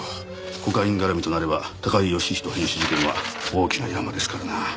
コカイン絡みとなれば高井義人変死事件は大きなヤマですからな。